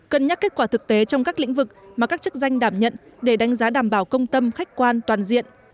cân nhắc kết quả thực tế trong các lĩnh vực mà các chức danh đảm nhận để đánh giá đảm bảo công tâm khách quan toàn diện